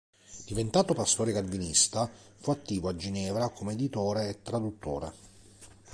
Diventato pastore calvinista, fu attivo a Ginevra come editore e traduttore.